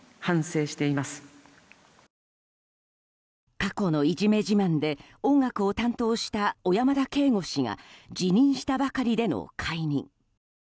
過去のいじめ自慢で音楽を担当した小山田圭吾氏が辞任したばかりでの解任。